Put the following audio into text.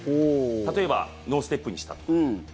例えばノーステップにしたとか。